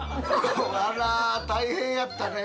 あら大変やったね。